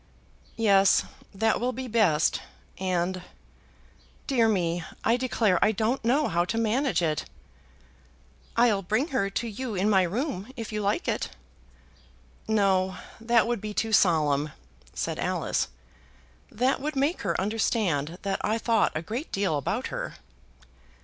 "Yes, that will be best; and ; dear me, I declare I don't know how to manage it." "I'll bring her to you in my room if you like it." "No; that would be too solemn," said Alice. "That would make her understand that I thought a great deal about her."